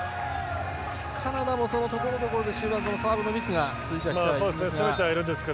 カナダもところどころサーブミスが続いているんですが。